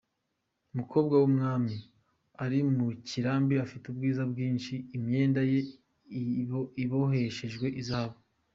Umukobwa w’umwami uri mu kirambi afite ubwiza bwinshi, Imyenda ye iboheshejwe izahabu.